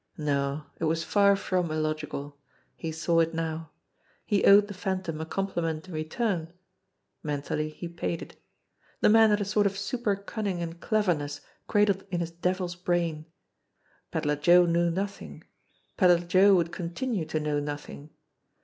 No it was far from illogical. He saw it now. He owed the Phantom a compliment in return. Mentally he paid it. The man had a sort of super cunning and cleverness cradled in his devil's brain ! Pedler Joe knew nothing ; Pedler Joe would continue to know nothing.